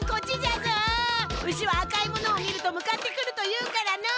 牛は赤い物を見ると向かってくるというからのう。